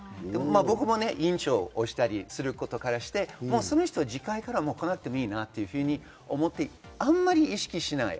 僕も委員長をしたりすることからして、その人、次回から来なくてもいいなって思って、あまり意識しない。